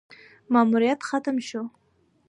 ماموریت ختم شو: